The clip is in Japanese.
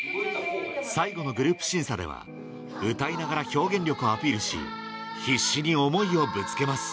最後のでは歌いながら表現力をアピールし必死に思いをぶつけます